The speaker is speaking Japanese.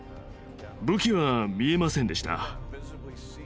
武器は見えませんでした。